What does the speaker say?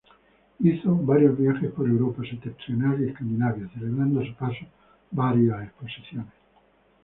Hizo varios viajes por Europa septentrional y Escandinavia celebrando a su paso varias exposiciones.